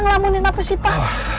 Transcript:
ngelamunin apa sih pa